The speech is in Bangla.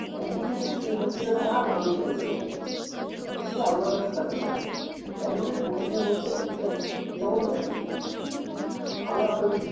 রাত পর্যন্ত ভিড়, পূজা প্রাঙ্গণে জলসা—সব মিলিয়ে অনেকটা দুর্গাপূজার চেহারা নেয়।